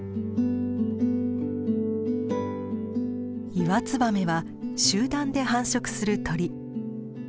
イワツバメは集団で繁殖する鳥。